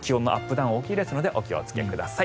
ダウン大きいですのでお気をつけください。